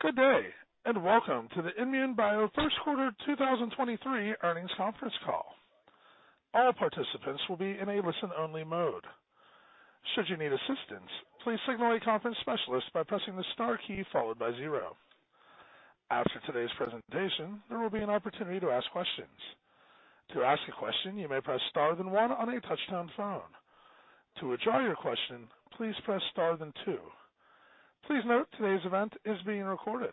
Good day, and welcome to the INmune Bio first quarter 2023 earnings conference call. All participants will be in a listen-only mode. Should you need assistance, please signal a conference specialist by pressing the star key followed by 0. After today's presentation, there will be an opportunity to ask questions. To ask a question, you may press star then one on a touch-tone phone. To withdraw your question, please press star then two. Please note today's event is being recorded.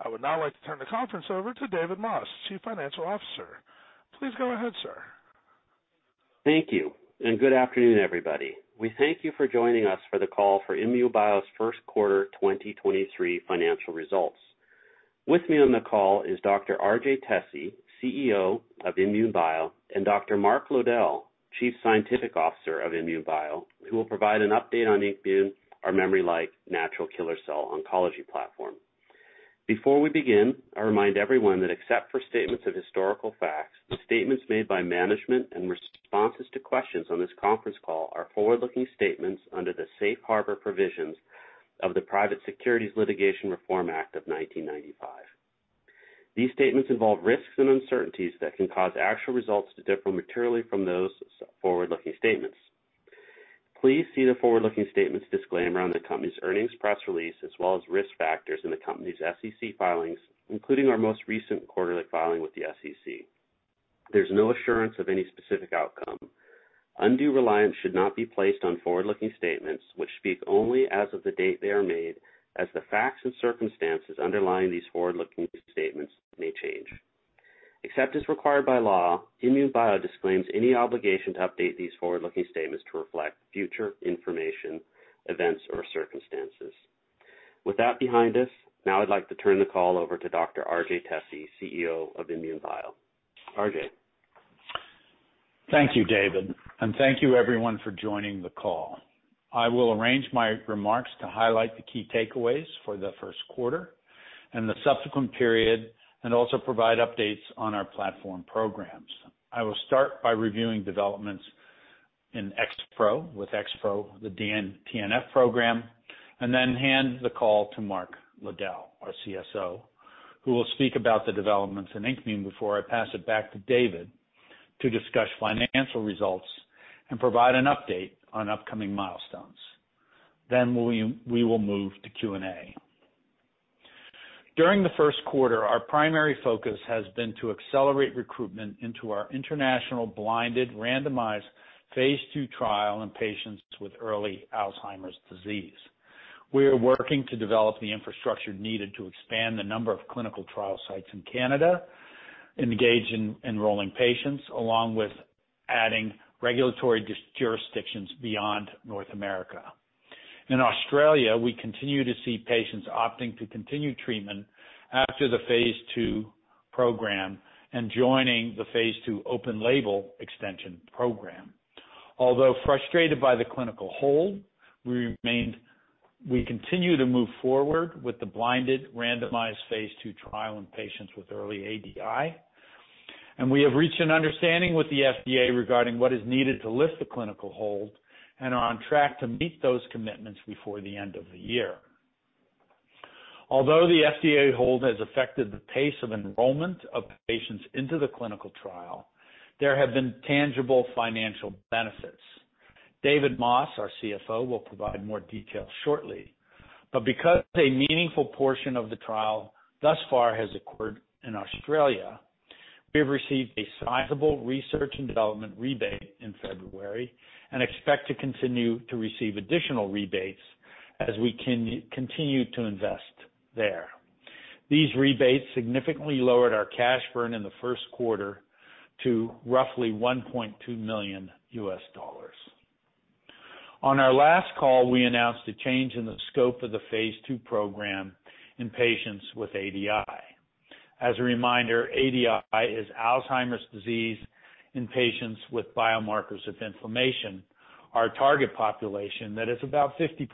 I would now like to turn the conference over to David Moss, Chief Financial Officer. Please go ahead, sir. Thank you, and good afternoon, everybody. We thank you for joining us for the call for INmune Bio's Q1 2023 financial results. With me on the call is Dr. R.J. Tesi, CEO of INmune Bio, and Dr. Mark Lowdell, Chief Scientific Officer of INmune Bio, who will provide an update on INKmune, our memory-like natural killer cell oncology platform. Before we begin, I remind everyone that except for statements of historical facts, statements made by management and responses to questions on this conference call are forward-looking statements under the Safe Harbor provisions of the Private Securities Litigation Reform Act of 1995. These statements involve risks and uncertainties that can cause actual results to differ materially from those forward-looking statements. Please see the forward-looking statements disclaimer on the company's earnings press release, as well as risk factors in the company's SEC filings, including our most recent quarterly filing with the SEC. There's no assurance of any specific outcome. Undue reliance should not be placed on forward-looking statements which speak only as of the date they are made as the facts and circumstances underlying these forward-looking statements may change. Except as required by law, INmune Bio disclaims any obligation to update these forward-looking statements to reflect future information, events, or circumstances. With that behind us, now I'd like to turn the call over to Dr. R.J. Tesi, CEO of INmune Bio. R.J. Thank you, David, thank you everyone for joining the call. I will arrange my remarks to highlight the key takeaways for the Q1 and the subsequent period, and also provide updates on our platform programs. I will start by reviewing developments in XPro. With XPro, the DN-TNF program, and then hand the call to Mark Lowdell, our CSO, who will speak about the developments in INKmune before I pass it back to David to discuss financial results and provide an update on upcoming milestones. We will move to Q&A. During the Q1, our primary focus has been to accelerate recruitment into our international blinded randomized phase two trial in patients with early Alzheimer's disease. We are working to develop the infrastructure needed to expand the number of clinical trial sites in Canada and engage in enrolling patients along with adding regulatory. jurisdictions beyond North America. In Australia, we continue to see patients opting to continue treatment after the phase II program and joining the phase II open label extension program. Although frustrated by the clinical hold, we continue to move forward with the blinded randomized phase II trial in patients with early ADI, and we have reached an understanding with the FDA regarding what is needed to lift the clinical hold and are on track to meet those commitments before the end of the year. Although the FDA hold has affected the pace of enrollment of patients into the clinical trial, there have been tangible financial benefits. David Moss, our CFO, will provide more details shortly. Because a meaningful portion of the trial thus far has occurred in Australia, we have received a sizable research and development rebate in February and expect to continue to receive additional rebates as we continue to invest there. These rebates significantly lowered our cash burn in the Q1 to roughly $1.2 million. On our last call, we announced a change in the scope of the phase II program in patients with ADI. As a reminder, ADI is Alzheimer's disease in patients with biomarkers of inflammation. Our target population, that is about 50%,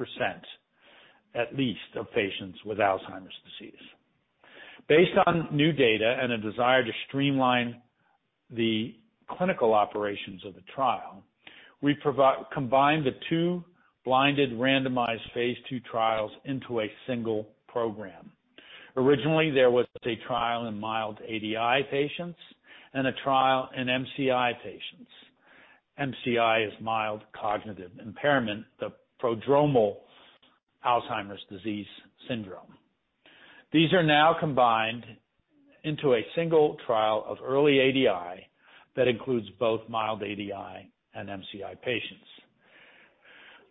at least, of patients with Alzheimer's disease. Based on new data and a desire to streamline the clinical operations of the trial, we combined the two blinded randomized phase II trials into a single program. Originally, there was a trial in mild ADI patients and a trial in MCI patients. MCI is mild cognitive impairment, the prodromal Alzheimer's disease syndrome. These are now combined into a single trial of early ADI that includes both mild ADI and MCI patients.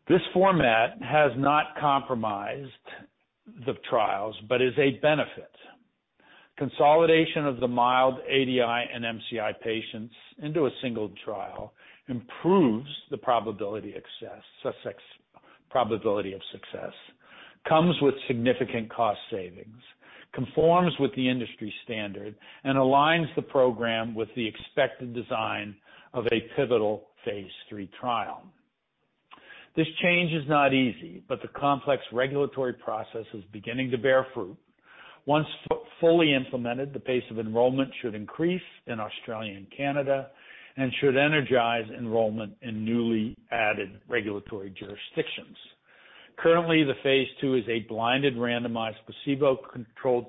This format has not compromised the trials but is a benefit. Consolidation of the mild ADI and MCI patients into a single trial improves the probability of success, comes with significant cost savings, conforms with the industry standard, and aligns the program with the expected design of a pivotal phase III trial. This change is not easy, but the complex regulatory process is beginning to bear fruit. Once fully implemented, the pace of enrollment should increase in Australia and Canada and should energize enrollment in newly added regulatory jurisdictions. Currently, the phase II is a blinded, randomized, placebo-controlled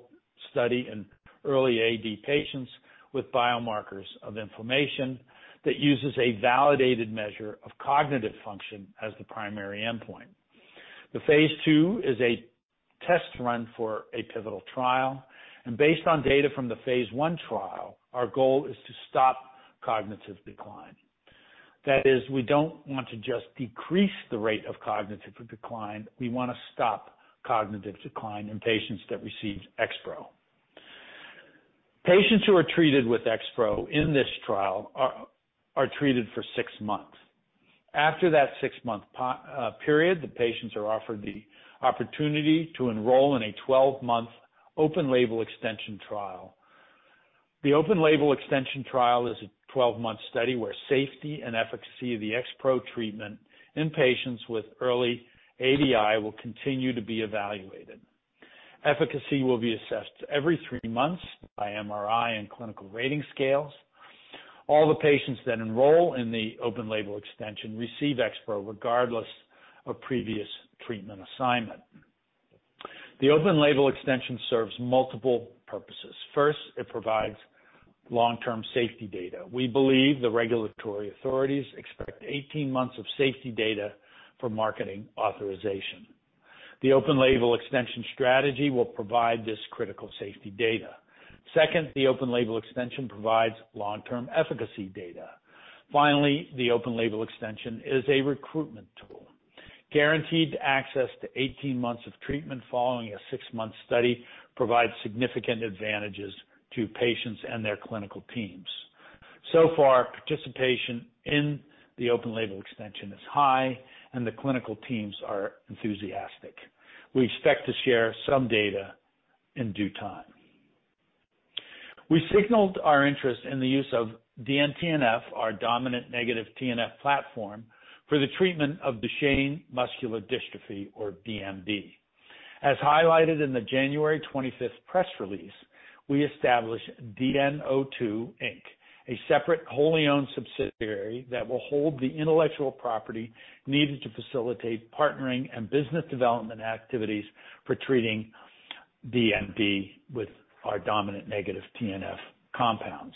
study in early AD patients with biomarkers of inflammation that uses a validated measure of cognitive function as the primary endpoint. The phase II is a test run for a pivotal trial. Based on data from the phase I trial, our goal is to stop cognitive decline. That is, we don't want to just decrease the rate of cognitive decline, we wanna stop cognitive decline in patients that receive XPro. Patients who are treated with XPro in this trial are treated for six months. After that six-month period, the patients are offered the opportunity to enroll in a 12 month open-label extension trial. The open-label extension trial is a 12 month study where safety and efficacy of the XPro treatment in patients with early ADI will continue to be evaluated. Efficacy will be assessed every three months by MRI and clinical rating scales. All the patients that enroll in the open-label extension receive XPro regardless of previous treatment assignment. The open-label extension serves multiple purposes. First, it provides long-term safety data. We believe the regulatory authorities expect 18 months of safety data for marketing authorization. The open label extension strategy will provide this critical safety data. Second, the open label extension provides long-term efficacy data. Finally, the open label extension is a recruitment tool. Guaranteed access to 18 months of treatment following a six month study provides significant advantages to patients and their clinical teams. Far, participation in the open label extension is high and the clinical teams are enthusiastic. We expect to share some data in due time. We signaled our interest in the use of DN-TNF, our dominant-negative TNF platform, for the treatment of Duchenne muscular dystrophy or DMD. As highlighted in the January 25th press release, we established DN02, Inc., a separate wholly owned subsidiary that will hold the intellectual property needed to facilitate partnering and business development activities for treating DMD with our dominant-negative TNF compounds.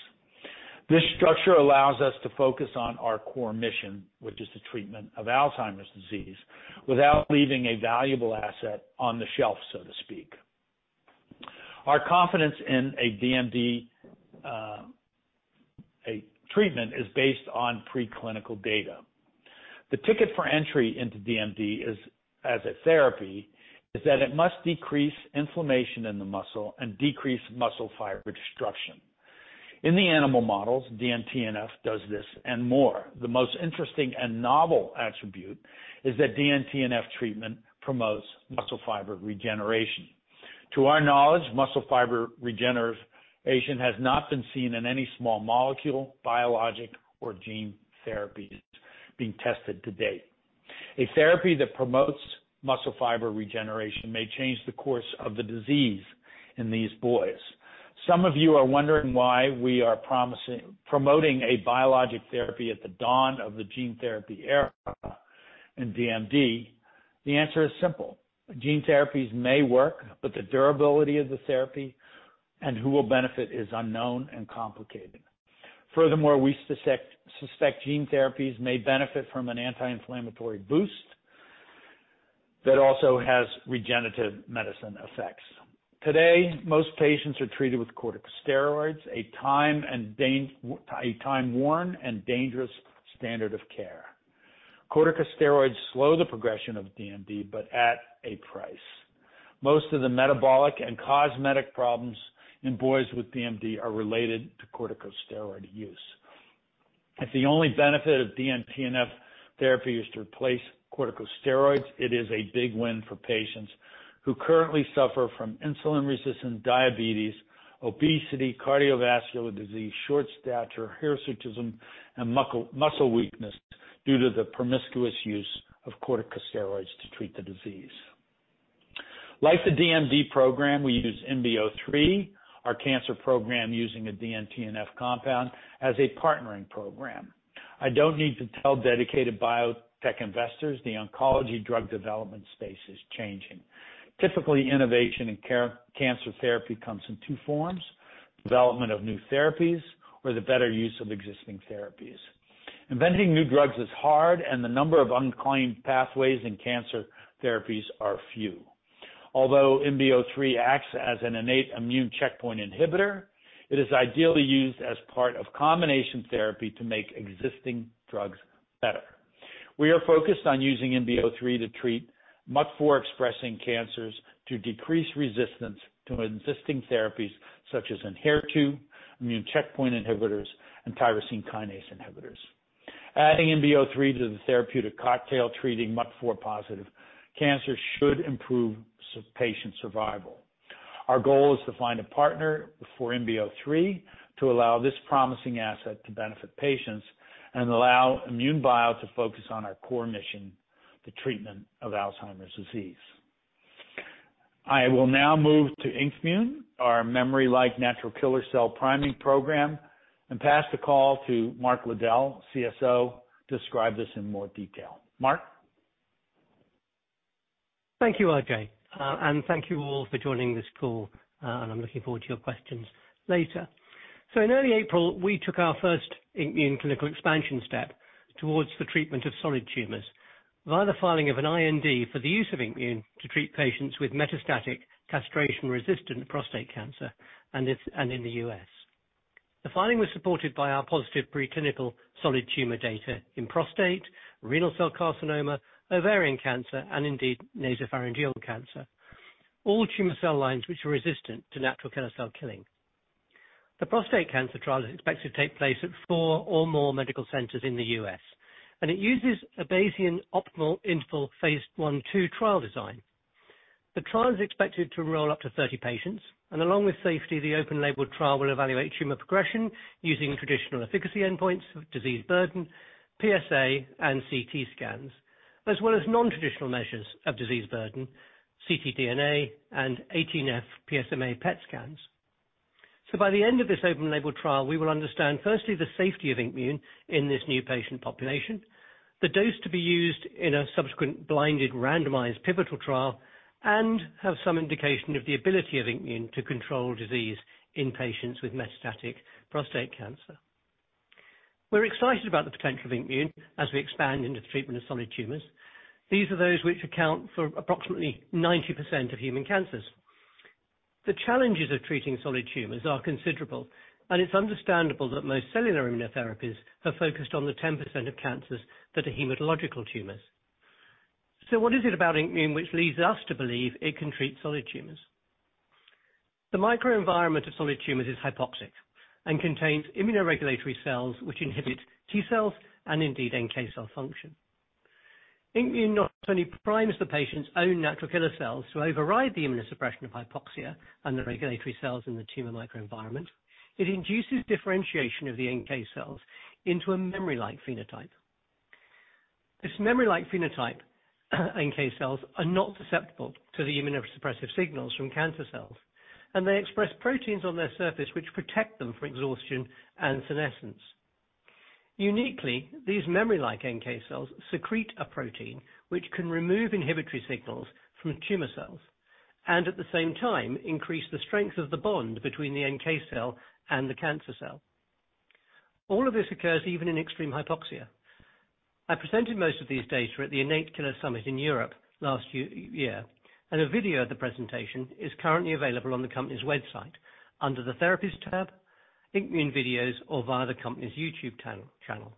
This structure allows us to focus on our core mission, which is the treatment of Alzheimer's disease, without leaving a valuable asset on the shelf, so to speak. Our confidence in a DMD, a treatment is based on pre-clinical data. The ticket for entry into DMD is, as a therapy, is that it must decrease inflammation in the muscle and decrease muscle fiber destruction. In the animal models, DN-TNF does this and more. The most interesting and novel attribute is that DN-TNF treatment promotes muscle fiber regeneration. To our knowledge, muscle fiber regeneration has not been seen in any small molecule, biologic or gene therapies being tested to date. A therapy that promotes muscle fiber regeneration may change the course of the disease in these boys. Some of you are wondering why we are promoting a biologic therapy at the dawn of the gene therapy era in DMD. The answer is simple: gene therapies may work, but the durability of the therapy and who will benefit is unknown and complicated. Furthermore, we suspect gene therapies may benefit from an anti-inflammatory boost that also has regenerative medicine effects. Today, most patients are treated with corticosteroids, a time-worn and dangerous standard of care. Corticosteroids slow the progression of DMD, but at a price. Most of the metabolic and cosmetic problems in boys with DMD are related to corticosteroid use. If the only benefit of DN-TNF therapy is to replace corticosteroids, it is a big win for patients who currently suffer from insulin-resistant diabetes, obesity, cardiovascular disease, short stature, hirsutism, and muscle weakness due to the promiscuous use of corticosteroids to treat the disease. Like the DMD program we use INB03, our cancer program, using a DN-TNF compound as a partnering program. I don't need to tell dedicated biotech investors the oncology drug development space is changing. Typically, innovation in cancer therapy comes in two forms: development of new therapies or the better use of existing therapies. Inventing new drugs is hard, the number of unclaimed pathways in cancer therapies are few. INB03 acts as an innate immune checkpoint inhibitor, it is ideally used as part of combination therapy to make existing drugs better. We are focused on using INB03 to treat MUC4-expressing cancers to decrease resistance to existing therapies such as Enhertu, immune checkpoint inhibitors, and tyrosine kinase inhibitors. Adding INB03 to the therapeutic cocktail treating MUC4-positive cancer should improve patient survival. Our goal is to find a partner for INB03 to allow this promising asset to benefit patients and allow INmune Bio to focus on our core mission. The treatment of Alzheimer's disease. I will now move to INKmune, our memory-like natural killer cell priming program, and pass the call to Mark Lowdell, CSO, to describe this in more detail. Mark. Thank you, RJ. Thank you all for joining this call, and I'm looking forward to your questions later. In early April, we took our first INKmune clinical expansion step towards the treatment of solid tumors via the filing of an IND for the use of INKmune to treat patients with metastatic castration-resistant prostate cancer and in the US. The filing was supported by our positive preclinical solid tumor data in prostate, renal cell carcinoma, ovarian cancer, and indeed nasopharyngeal cancer. All tumor cell lines which are resistant to natural killer cell killing. The prostate cancer trial is expected to take place at four or more medical centers in the US, and it uses a Bayesian optimal interval phase I/II trial design. The trial is expected to enroll up to 30 patients, and along with safety, the open label trial will evaluate tumor progression using traditional efficacy endpoints of disease burden, PSA, and CT scans, as well as non-traditional measures of disease burden, ctDNA and 18F-PSMA PET scans. By the end of this open label trial, we will understand firstly the safety of INKmune in this new patient population, the dose to be used in a subsequent blinded randomized pivotal trial, and have some indication of the ability of INKmune to control disease in patients with metastatic prostate cancer. We're excited about the potential of INKmune as we expand into the treatment of solid tumors. These are those which account for approximately 90% of human cancers. The challenges of treating solid tumors are considerable, and it's understandable that most cellular immunotherapies have focused on the 10% of cancers that are hematological tumors. What is it about INKmune which leads us to believe it can treat solid tumors? The microenvironment of solid tumors is hypoxic and contains immunoregulatory cells which inhibit T cells and indeed NK cell function. INKmune not only primes the patient's own natural killer cells to override the immunosuppression of hypoxia and the regulatory cells in the tumor microenvironment, it induces differentiation of the NK cells into a memory-like phenotype. This memory-like phenotype, NK cells are not susceptible to the immunosuppressive signals from cancer cells, and they express proteins on their surface which protect them from exhaustion and senescence. Uniquely, these memory-like NK cells secrete a protein which can remove inhibitory signals from tumor cells, and at the same time, increase the strength of the bond between the NK cell and the cancer cell. All of this occurs even in extreme hypoxia. I presented most of these data at the Innate Killer Summit in Europe last year, and a video of the presentation is currently available on the company's website under the Therapies tab, INKmune Videos, or via the company's YouTube channel.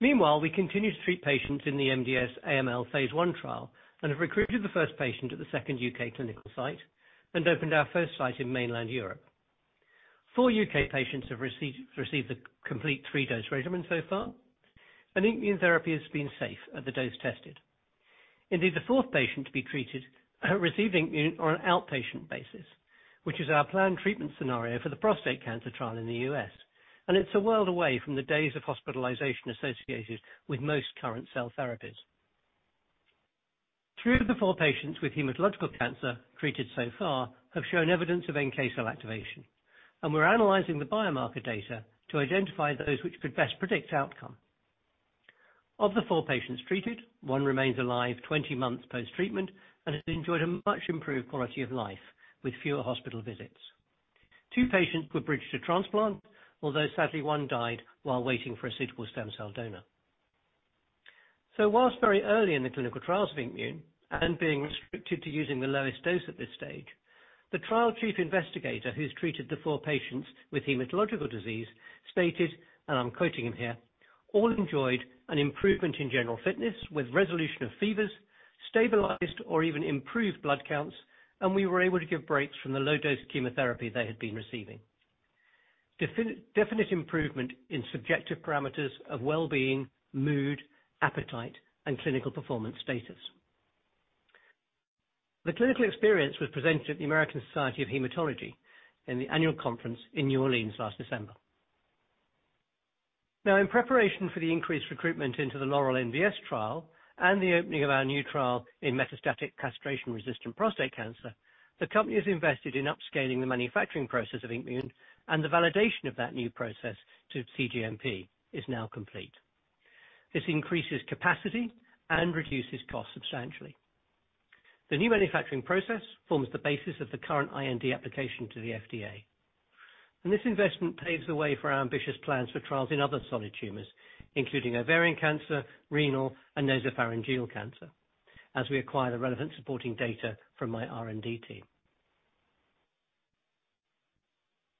Meanwhile, we continue to treat patients in the MDS/AML phase I trial and have recruited the first patient at the second U.K. clinical site and opened our first site in mainland Europe. Four U.K. patients have received the complete three-dose regimen so far, and INKmune therapy has been safe at the dose tested. Indeed, the fourth patient to be treated are receiving INKmune on an outpatient basis, which is our planned treatment scenario for the prostate cancer trial in the U.S. It's a world away from the days of hospitalization associated with most current cell therapies. Three of the four patients with hematological cancer treated so far have shown evidence of NK cell activation, and we're analyzing the biomarker data to identify those which could best predict outcome. Of the four patients treated, one remains alive 20 months post-treatment and has enjoyed a much improved quality of life with fewer hospital visits. Two patients were bridged to transplant, although sadly one died while waiting for a suitable stem cell donor. Whilst very early in the clinical trials of INKmune and being restricted to using the lowest dose at this stage, the trial chief investigator who's treated the four patients with hematological disease stated, and I'm quoting him here, "All enjoyed an improvement in general fitness with resolution of fevers, stabilized or even improved blood counts, and we were able to give breaks from the low-dose chemotherapy they had been receiving. Definite improvement in subjective parameters of well-being, mood, appetite, and clinical performance status." The clinical experience was presented at the American Society of Hematology in the annual conference in New Orleans last December. Now, in preparation for the increased recruitment into the LAUREL MDS trial and the opening of our new trial in metastatic castration-resistant prostate cancer, the company has invested in upscaling the manufacturing process of INKmune, and the validation of that new process to cGMP is now complete. This increases capacity and reduces cost substantially. The new manufacturing process forms the basis of the current IND application to the FDA. This investment paves the way for our ambitious plans for trials in other solid tumors, including ovarian cancer, renal, and nasopharyngeal cancer, as we acquire the relevant supporting data from my R&D team.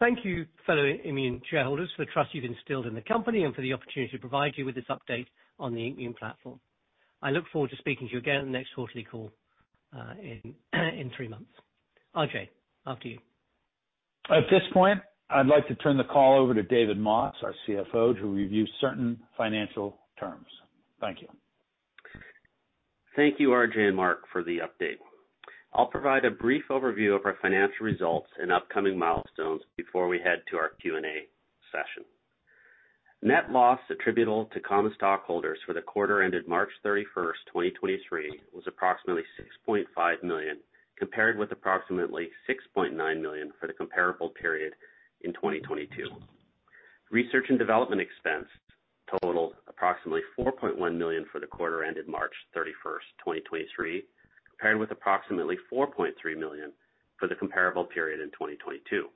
Thank you, fellow INKmune shareholders, for the trust you've instilled in the company and for the opportunity to provide you with this update on the INKmune platform. I look forward to speaking to you again on the next quarterly call in three months. R.J., after you. At this point, I'd like to turn the call over to David Moss, our CFO, to review certain financial terms. Thank you. Thank you, RJ and Mark, for the update. I'll provide a brief overview of our financial results and upcoming milestones before we head to our Q&A session. Net loss attributable to common stockholders for the quarter ended March 31, 2023 was approximately $6.5 million, compared with approximately $6.9 million for the comparable period in 2022. Research and development expense totaled approximately $4.1 million for the quarter ended March 31, 2023, compared with approximately $4.3 million for the comparable period in 2022.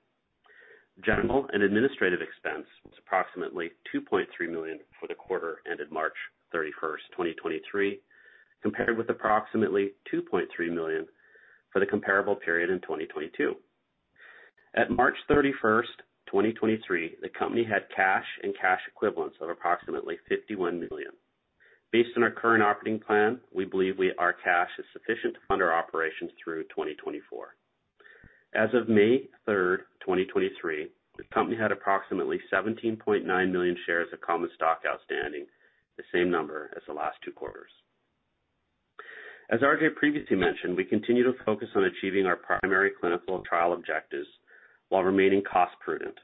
General and administrative expense was approximately $2.3 million for the quarter ended March 31, 2023, compared with approximately $2.3 million for the comparable period in 2022. At March 31, 2023, the company had cash and cash equivalents of approximately $51 million. Based on our current operating plan, we believe our cash is sufficient to fund our operations through 2024. As of May 3, 2023, the company had approximately 17.9 million shares of common stock outstanding, the same number as the last two quarters. As R.J. previously mentioned, we continue to focus on achieving our primary clinical trial objectives while remaining cost-prudent.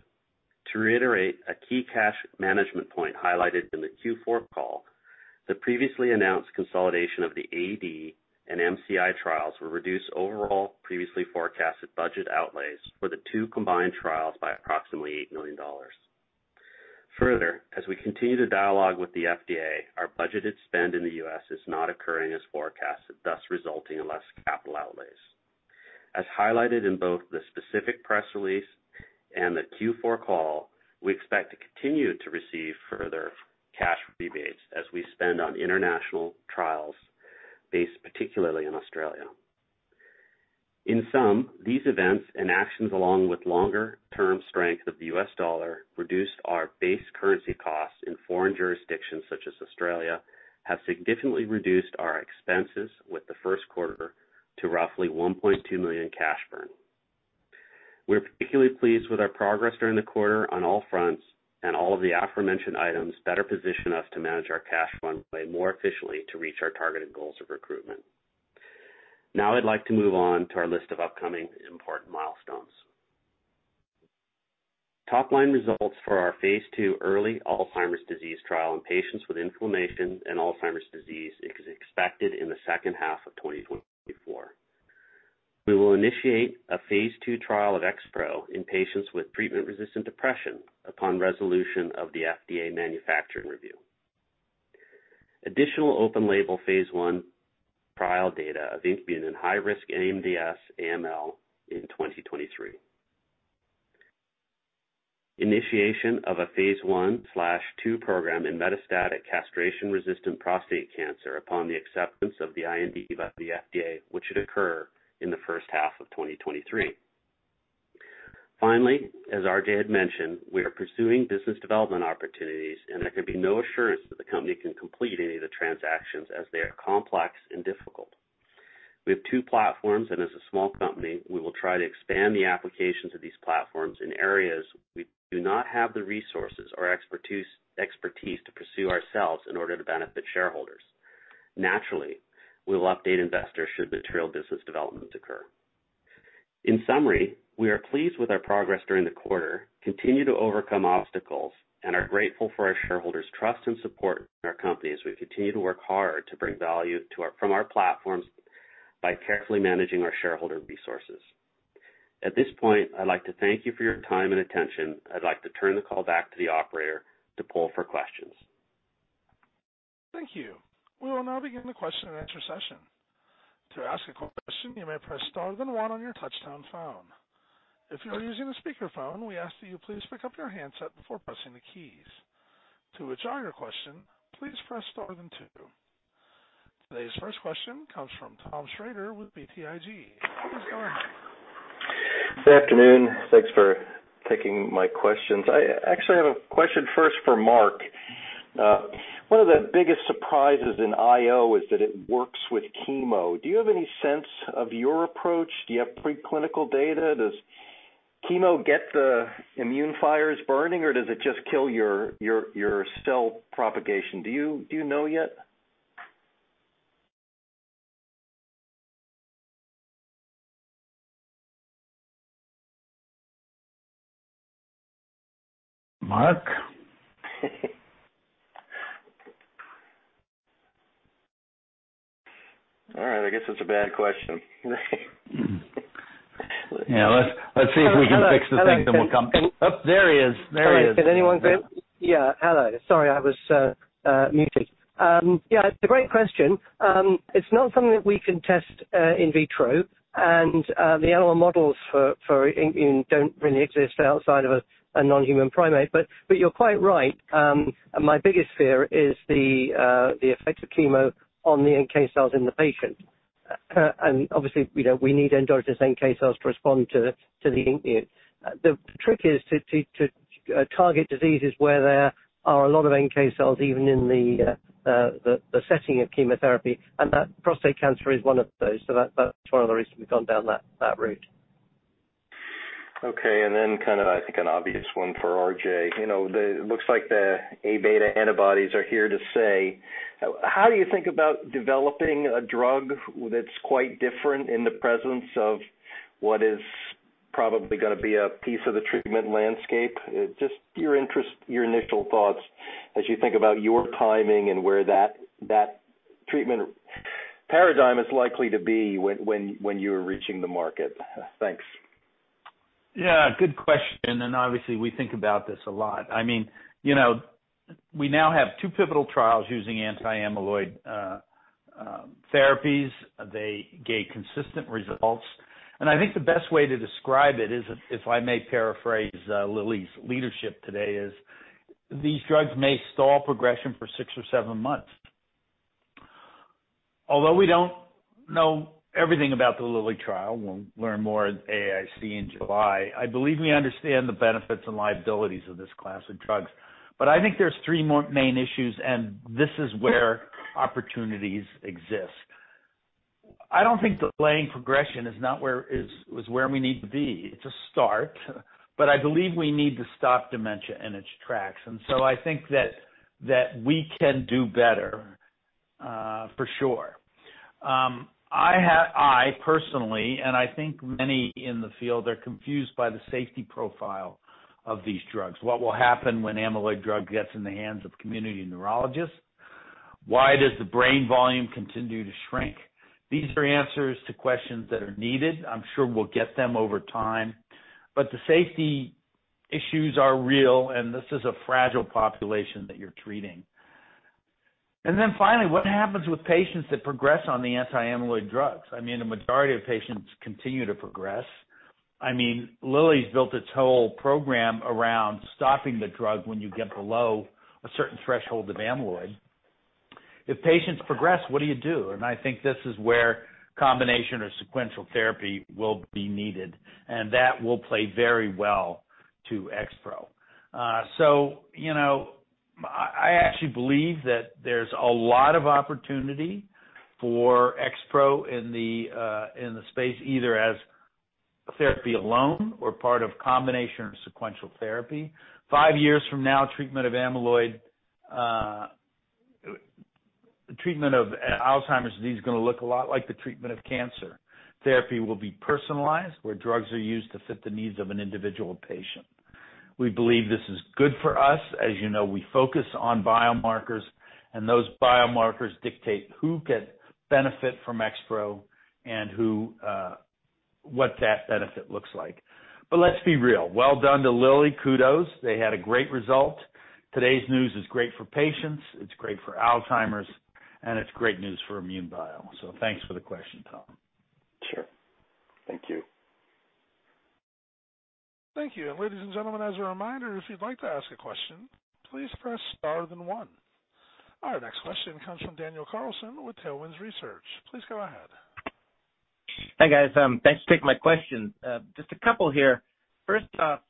To reiterate a key cash management point highlighted in the Q4 call, the previously announced consolidation of the AD and MCI trials will reduce overall previously forecasted budget outlays for the two combined trials by approximately $8 million. Further, as we continue to dialogue with the FDA, our budgeted spend in the U.S. is not occurring as forecasted, thus resulting in less capital outlays. As highlighted in both the specific press release and the Q4 call, we expect to continue to receive further cash rebates as we spend on international trials based particularly in Australia. In sum, these events and actions, along with longer-term strength of the US dollar, reduced our base currency costs in foreign jurisdictions such as Australia, have significantly reduced our expenses with the Q1 to roughly $1.2 million cash burn. We're particularly pleased with our progress during the quarter on all fronts. All of the aforementioned items better position us to manage our cash runway more efficiently to reach our targeted goals of recruitment. Now I'd like to move on to our list of upcoming important milestones. Top line results for our phase II early Alzheimer's disease trial in patients with inflammation and Alzheimer's disease is expected in the second half of 2024. We will initiate a phase II trial of XPro in patients with treatment-resistant depression upon resolution of the FDA manufacturing review. Additional open label phase I trial data of INKmune in high-risk MDS/AML in 2023. Initiation of a phase I/II program in metastatic castration-resistant prostate cancer upon the acceptance of the IND by the FDA, which should occur in the first half of 2023. As R.J. had mentioned, we are pursuing business development opportunities, and there can be no assurance that the company can complete any of the transactions as they are complex and difficult. We have two platforms, and as a small company, we will try to expand the applications of these platforms in areas we do not have the resources or expertise to pursue ourselves in order to benefit shareholders. Naturally, we will update investors should material business development occur. In summary, we are pleased with our progress during the quarter, continue to overcome obstacles and are grateful for our shareholders' trust and support in our company as we continue to work hard to bring value from our platforms by carefully managing our shareholder resources. At this point, I'd like to thank you for your time and attention. I'd like to turn the call back to the operator to poll for questions. Thank you. We will now begin the question-and-answer session. To ask a question, you may press star then one on your touchtone phone. If you are using a speakerphone, we ask that you please pick up your handset before pressing the keys. To withdraw your question, please press star then two. Today's first question comes from Thomas Shrader with BTIG. Tom, your line. Good afternoon. Thanks for taking my questions. I actually have a question first for Mark. One of the biggest surprises in IO is that it works with chemo. Do you have any sense of your approach? Do you have preclinical data? Does chemo get the immune fires burning, or does it just kill your cell propagation? Do you know yet? Mark? All right, I guess it's a bad question. Yeah, let's see if we can fix the thing, then we'll come... Oh, there he is. There he is. Hello. Can anyone hear me? Yeah. Hello. Sorry, I was muted. Yeah, it's a great question. It's not something that we can test in vitro. The animal models for INKmune don't really exist outside of a non-human primate. You're quite right. My biggest fear is the effect of chemo on the NK cells in the patient. Obviously, you know, we need endogenous NK cells to respond to INKmune. The trick is to target diseases where there are a lot of NK cells, even in the setting of chemotherapy, and that prostate cancer is one of those. That's one of the reasons we've gone down that route. Okay. Then kind of, I think, an obvious one for RJ. You know, it looks like the A-beta antibodies are here to stay. How do you think about developing a drug that's quite different in the presence of what is probably gonna be a piece of the treatment landscape? Just your interest, your initial thoughts as you think about your timing and where that treatment paradigm is likely to be when you're reaching the market. Thanks. Yeah, good question. Obviously, we think about this a lot. I mean, you know, we now have two pivotal trials using anti-amyloid therapies. They gave consistent results. I think the best way to describe it is if I may paraphrase Lilly's leadership today, these drugs may stall progression for six or seven months. Although we don't know everything about the Lilly trial, we'll learn more at AAIC in July. I believe we understand the benefits and liabilities of this class of drugs. I think there's three more main issues. This is where opportunities exist. I don't think delaying progression is not where was where we need to be. It's a start. I believe we need to stop dementia in its tracks. I think that we can do better for sure. I personally, and I think many in the field are confused by the safety profile of these drugs. What will happen when amyloid drug gets in the hands of community neurologists? Why does the brain volume continue to shrink? These are answers to questions that are needed. I'm sure we'll get them over time. The safety issues are real, and this is a fragile population that you're treating. Finally, what happens with patients that progress on the anti-amyloid drugs? The majority of patients continue to progress. Lilly's built its whole program around stopping the drug when you get below a certain threshold of amyloid. If patients progress, what do you do? I think this is where combination or sequential therapy will be needed, and that will play very well to XPro. you know, I actually believe that there's a lot of opportunity for XPro in the space, either as therapy alone or part of combination or sequential therapy. Five years from now, treatment of amyloid, treatment of Alzheimer's disease is going to look a lot like the treatment of cancer. Therapy will be personalized, where drugs are used to fit the needs of an individual patient. We believe this is good for us. As you know, we focus on biomarkers, and those biomarkers dictate who could benefit from XPro and who, what that benefit looks like. let's be real. Well done to Lilly. Kudos. They had a great result. Today's news is great for patients, it's great for Alzheimer's, and it's great news for INmune Bio. thanks for the question, Tom. Sure. Thank you. Thank you. Ladies and gentlemen, as a reminder, if you'd like to ask a question, please press star then one. Our next question comes from Daniel Carlson with Tailwinds Research. Please go ahead. Hi, guys. thanks for taking my question. just a couple here. First off,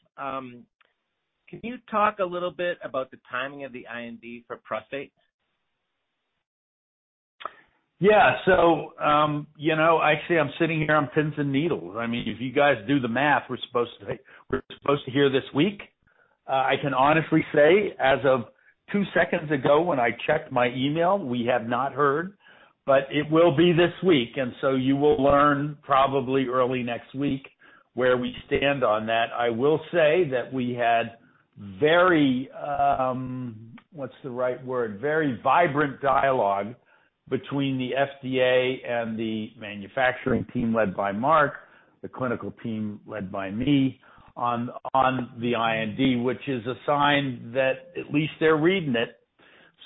can you talk a little bit about the timing of the IND for prostate? Yeah. You know, actually, I'm sitting here on pins and needles. I mean, if you guys do the math, we're supposed to hear this week. I can honestly say, as of two seconds ago, when I checked my email, we have not heard, but it will be this week. You will learn probably early next week where we stand on that. I will say that we had very, what's the right word? Very vibrant dialogue between the FDA and the manufacturing team led by Mark, the clinical team led by me on the IND, which is a sign that at least they're reading it.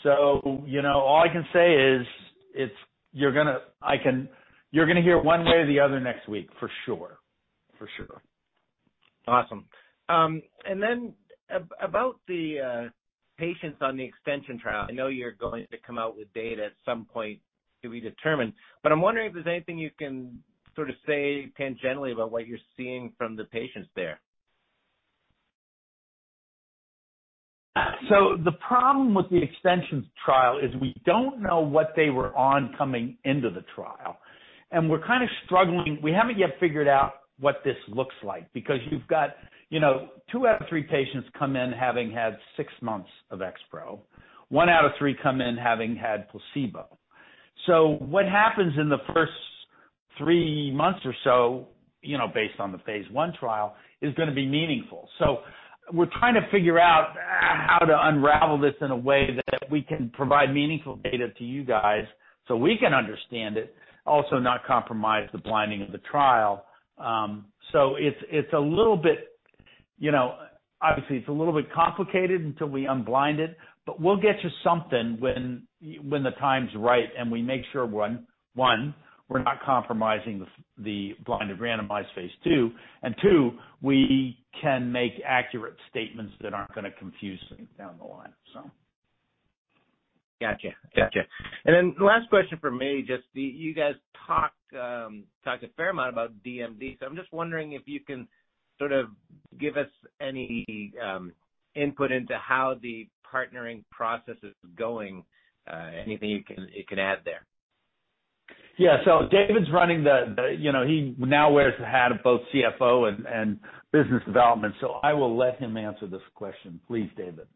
You know, all I can say is You're gonna hear it one way or the other next week, for sure. For sure. Awesome. About the patients on the extension trial, I know you're going to come out with data at some point to be determined, but I'm wondering if there's anything you can sort of say tangentially about what you're seeing from the patients there. The problem with the extensions trial is we don't know what they were on coming into the trial, and we're kinda struggling. We haven't yet figured out what this looks like, because you've got, you know, two out of three patients come in having had six months of XPro. One out of three come in having had placebo. What happens in the first three months or so, you know, based on the phase I trial, is gonna be meaningful. We're trying to figure out how to unravel this in a way that we can provide meaningful data to you guys, so we can understand it, also not compromise the blinding of the trial. It's a little bit, you know, obviously it's a little bit complicated until we unblind it. We'll get you something when the time's right and we make sure, one, we're not compromising the blinded randomized phase two. Two, we can make accurate statements that aren't gonna confuse things down the line. Gotcha. Gotcha. Last question from me, just you guys talked a fair amount about DMD, so I'm just wondering if you can sort of give us any input into how the partnering process is going. Anything you can, you can add there? Yeah. David's running the, you know, he now wears the hat of both CFO and business development. I will let him answer this question. Please, David.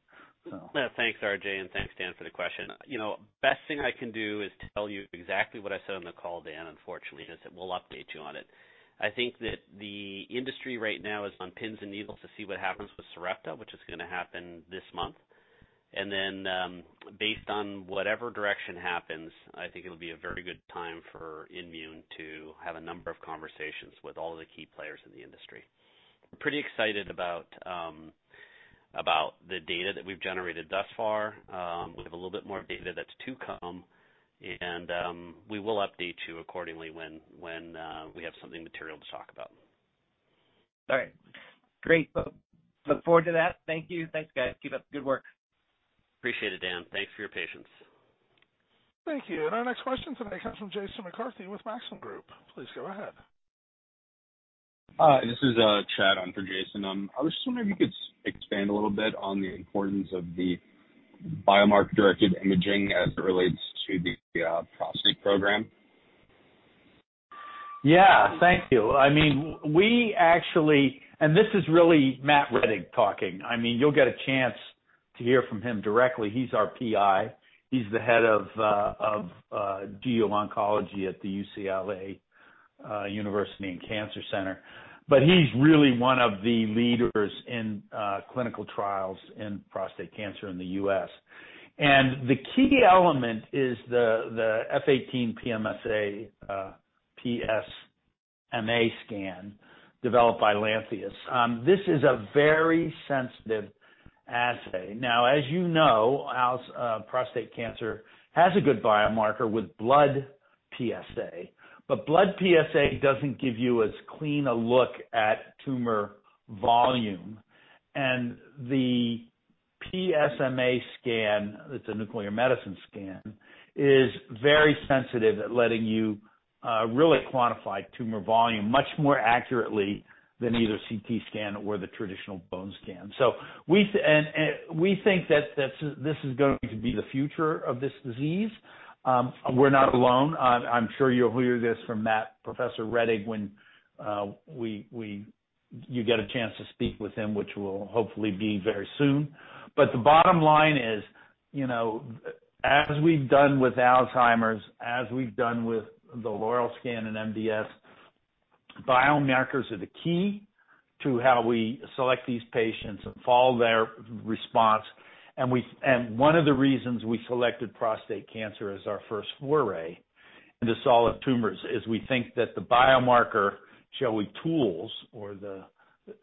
Yeah. Thanks, R.J., thanks, Dan, for the question. You know, best thing I can do is tell you exactly what I said on the call, Dan. Unfortunately, as I said, we'll update you on it. I think that the industry right now is on pins and needles to see what happens with Sarepta, which is gonna happen this month. Then, based on whatever direction happens, I think it'll be a very good time for INmune to have a number of conversations with all of the key players in the industry. We're pretty excited about the data that we've generated thus far. We have a little bit more data that's to come, and, we will update you accordingly when we have something material to talk about. All right. Great. Well, look forward to that. Thank you. Thanks, guys. Keep up the good work. Appreciate it, Dan. Thanks for your patience. Thank you. Our next question today comes from Jason McCarthy with Maxim Group. Please go ahead. This is Chad on for Jason. I was just wondering if you could expand a little bit on the importance of the biomarker-directed imaging as it relates to the prostate program? Yeah, thank you. I mean, actually. This is really Matt Rettig talking. I mean, you'll get a chance to hear from him directly. He's our PI. He's the head of genitourinary oncology at the UCLA University and Cancer Center. He's really one of the leaders in clinical trials in prostate cancer in the US. The key element is the 18F-PSMA scan developed by Lantheus. This is a very sensitive assay. Now, as you know, prostate cancer has a good biomarker with blood PSA, but blood PSA doesn't give you as clean a look at tumor volume. The PSMA scan, it's a nuclear medicine scan, is very sensitive at letting you really quantify tumor volume much more accurately than either CT scan or the traditional bone scan. We We think that this is going to be the future of this disease. We're not alone. I'm sure you'll hear this from Matt, Professor Rettig, when you get a chance to speak with him, which will hopefully be very soon. The bottom line is, you know, as we've done with Alzheimer's, as we've done with the LAUREL scan and MDS, biomarkers are the key to how we select these patients and follow their response. One of the reasons we selected prostate cancer as our first foray into solid tumors is we think that the biomarker, shall we, tools or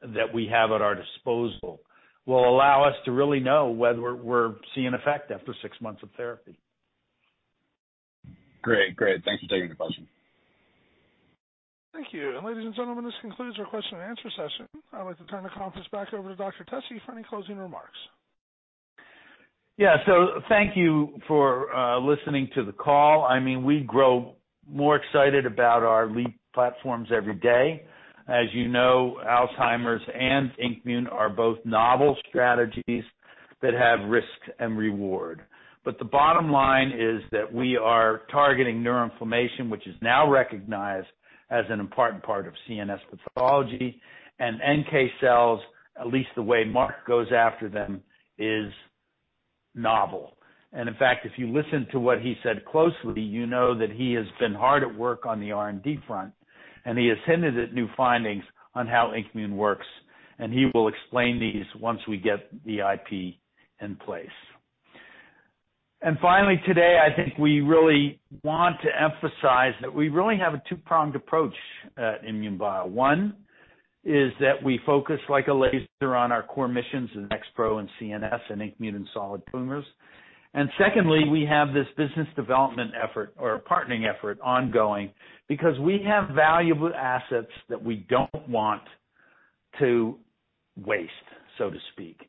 that we have at our disposal will allow us to really know whether we're seeing effect after six months of therapy. Great. Great. Thanks for taking the question. Thank you. Ladies and gentlemen, this concludes our question and answer session. I'd like to turn the conference back over to Dr. Tesi for any closing remarks. Yeah. Thank you for listening to the call. I mean, we grow more excited about our lead platforms every day. As you know, Alzheimer's and INKmune are both novel strategies that have risk and reward. The bottom line is that we are targeting neuroinflammation, which is now recognized as an important part of CNS pathology. NK cells, at least the way Mark goes after them, is novel. In fact, if you listen to what he said closely, you know that he has been hard at work on the R&D front, and he has hinted at new findings on how INKmune works, and he will explain these once we get the IP in place. Finally, today, I think we really want to emphasize that we really have a two-pronged approach at INmune Bio. One is that we focus like a laser on our core missions in XPro and CNS and INKmune in solid tumors. Secondly, we have this business development effort or partnering effort ongoing because we have valuable assets that we don't want to waste, so to speak.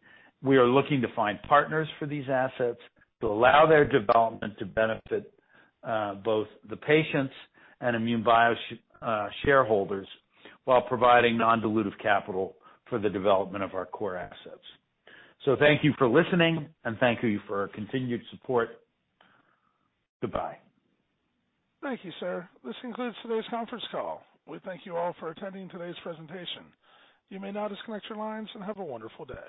We are looking to find partners for these assets to allow their development to benefit both the patients and INmune Bio shareholders while providing non-dilutive capital for the development of our core assets. Thank you for listening, and thank you for your continued support. Goodbye. Thank you, sir. This concludes today's conference call. We thank you all for attending today's presentation. You may now disconnect your lines, and have a wonderful day.